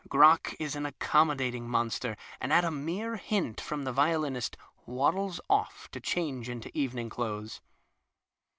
Crock is an accommodating 71 CROCK monster, and at a mere hint from the vioUnist waddles off to change into evening clothes.